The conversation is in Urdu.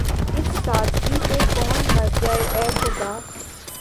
اس سادگی پہ کون مر جائے‘ اے خدا!